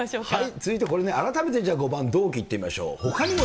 続いてこれ、改めて５番、同期、いってみましょう。